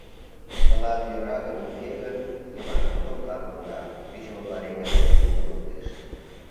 — Тылат йӧра гын, уке гын, — Йыван котомкам руда, кӱчымӧ пареҥге ден киндым луктеш.